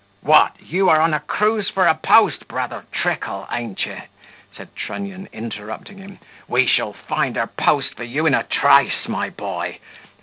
"What, you are on a cruise for a post, brother Trickle, an't ye?" said Trunnion, interrupting him, "we shall find a post for you in a trice, my boy.